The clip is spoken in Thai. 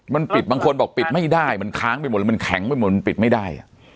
มันปิดบางคนบอกปิดไม่ได้มันค้างไปหมดเลยมันแข็งไปหมดมันปิดไม่ได้